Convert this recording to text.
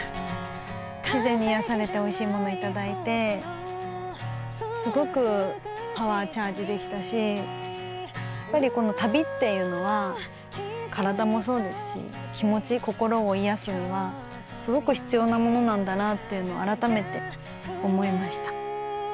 自然に癒やされておいしい物いただいてすごくパワーチャージできたしやっぱり旅っていうのは体もそうですし気持ち心を癒やすにはすごく必要なものなんだなってあらためて思いました。